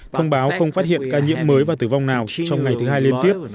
thông báo không phát hiện ca nhiễm mới và tử vong nào trong ngày thứ hai liên tiếp